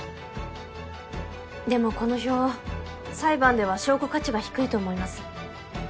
でもこの表裁判では証拠価値が低いと思います。